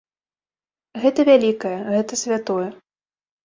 Гэта вялікае, гэта святое.